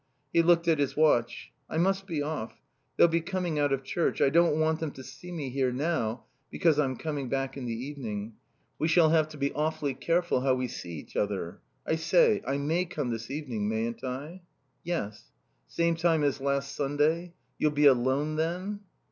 He looked at his watch. "I must be off. They'll be coming out of church. I don't want them to see me here now because I'm coming back in the evening. We shall have to be awfully careful how we see each other. I say I may come this evening, mayn't I?" "Yes." "Same time as last Sunday? You'll be alone then?"